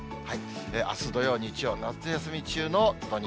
あす土曜、日曜、夏休み中の土日。